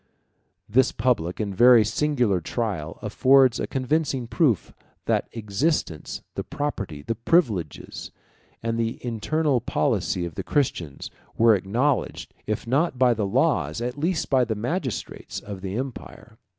This public and very singular trial affords a convincing proof that the existence, the property, the privileges, and the internal policy of the Christians, were acknowledged, if not by the laws, at least by the magistrates, of the empire.